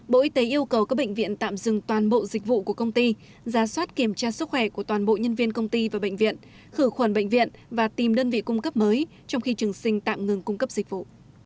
bộ y tế yêu cầu các bệnh viện tạm dừng toàn bộ dịch vụ của công ty giả soát kiểm tra sức khỏe của toàn bộ nhân viên công ty và bệnh viện khử khuẩn bệnh viện và tìm đơn vị cung cấp mới trong khi trường sinh tạm ngừng cung cấp dịch vụ